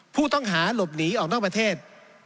ผู้ต้องหาหลบหนีออกนอกประเทศ